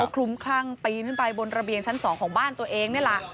คลุมคลั่งปีนขึ้นไปบนระเบียงชั้น๒ของบ้านตัวเองนี่แหละ